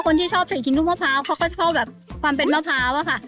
คนที่ชอบใส่กินลูกมะพร้าวเขาก็ชอบแบบความเป็นมะพร้าวอะค่ะ